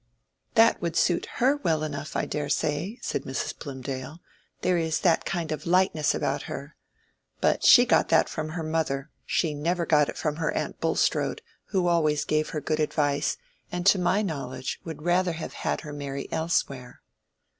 "That would suit her well enough, I dare say," said Mrs. Plymdale; "there is that kind of lightness about her. But she got that from her mother; she never got it from her aunt Bulstrode, who always gave her good advice, and to my knowledge would rather have had her marry elsewhere."